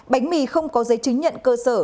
bánh mì không có giấy chứng nhận cơ sở